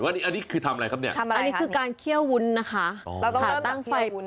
ว่าอันนี้คือทำอะไรครับเนี่ยอันนี้คือการเคี่ยววุ้นนะคะ